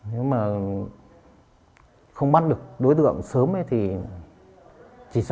nếu mà không bắt được đối tượng sớm ấy thì chỉ